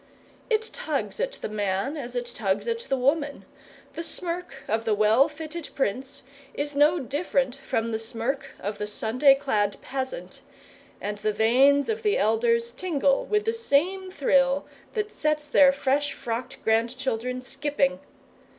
It tugs at the man as it tugs at the woman; the smirk of the well fitted prince is no different from the smirk of the Sunday clad peasant; and the veins of the elders tingle with the same thrill that sets their fresh frocked grandchildren skipping.